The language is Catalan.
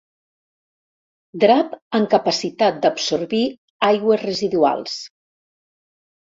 Drap amb capacitat d'absorbir aigües residuals.